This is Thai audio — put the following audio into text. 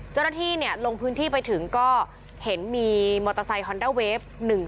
เจ้าหน้าที่ลงพื้นที่ไปถึงก็เห็นมีมอเตอร์ไซค์ฮอนด้าเวฟ